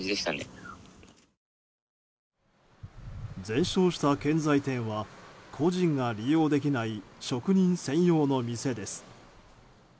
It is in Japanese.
全焼した建材店は個人が利用できない職人専用の店です。